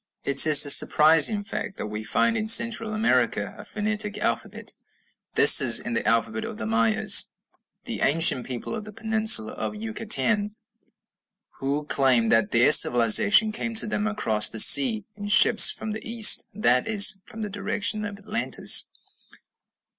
It is a surprising fact that we find in Central America a phonetic alphabet. This is in the alphabet of the Mayas, the ancient people of the peninsula of Yucatan, who claim that their civilization came to them across the sea in ships from the east, that is, from the direction of Atlantis.